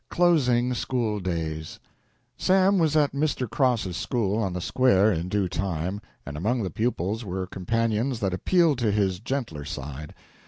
CLOSING SCHOOL DAYS Sam was at Mr. Cross's school on the Square in due time, and among the pupils were companions that appealed to his gentler side.